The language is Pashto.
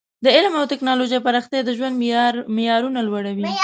د علم او ټکنالوژۍ پراختیا د ژوند معیارونه لوړوي.